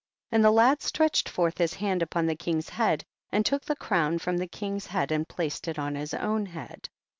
2. And the lad stretched forth his hand upon the king's head, and took the crown from the Ring's head and placed it on his own head.